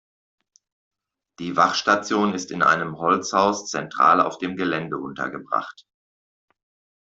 Die Wachstation ist in einem Holzhaus zentral auf dem Gelände untergebracht.